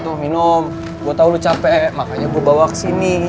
tuh minum gue tau lu capek makanya gue bawa ke sini